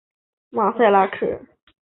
马赛拉克。